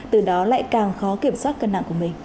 từ đó lại càng khó kiểm soát cân nặng của mình